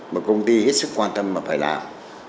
mà công ty hết sức quan tâm và phải làm